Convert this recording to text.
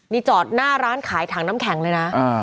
นี่จอดหน้าร้านขายถังน้ำแข็งเลยนะ